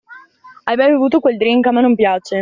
Hai mai bevuto quel drink? A me non piace.